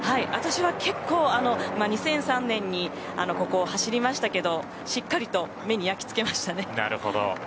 私は２００３年にここを走りましたけどしっかりと目に焼き付けましたね。